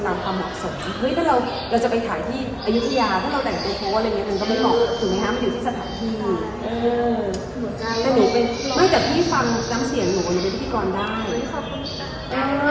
เห็นการนี้เกิดขึ้นบ่อยไหมคะ